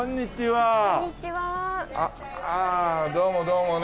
ああどうもどうもね。